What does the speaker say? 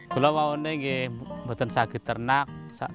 kalau mau ini buatan sago ternak